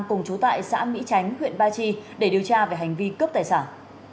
cùng chú tại xã mỹ chánh huyện ba chi để điều tra về hành vi cướp tài sản